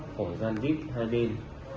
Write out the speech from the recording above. khổ gian dít hai đêm